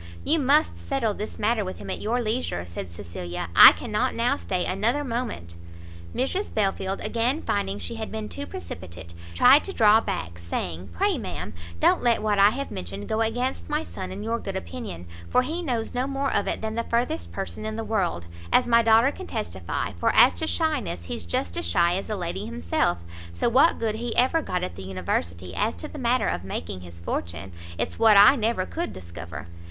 "You must settle this matter with him at your leisure," said Cecilia, "I cannot now stay another moment." Mrs Belfield, again finding she had been too precipitate, tried to draw back, saying "Pray, ma'am, don't let what I have mentioned go against my son in your good opinion, for he knows no more of it than the furthest person in the world, as my daughter can testify for as to shyness, he's just as shy as a lady himself; so what good he ever got at the University, as to the matter of making his fortune, it's what I never could discover.